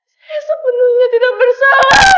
sebenarnya tidak bersalah